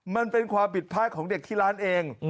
มันเป็นความผิดพลาดของเด็กที่ร้านเอง